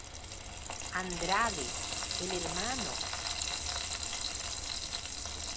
Andrade, el Hno.